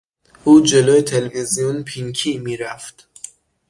او جلو تلویزیون پینکی میرفت.